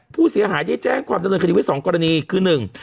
ผู้เสียหายได้แจ้งความดำเนินคดีไว้สองกรณีคือหนึ่ง